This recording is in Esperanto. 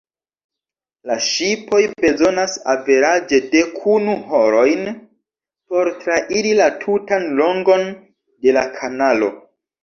La ŝipoj bezonas averaĝe dekunu horojn por trairi la tutan longon de la kanalo.